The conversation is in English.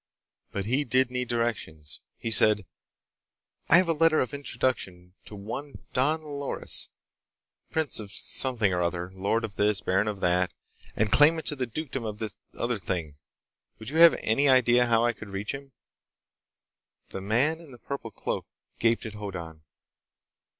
But he did need directions. He said: "I have a letter of introduction to one Don Loris, prince of something or other, lord of this, baron of that, and claimant to the dukedom of the other thing. Would you have any idea how I could reach him?" The man in the purple cloak gaped at Hoddan.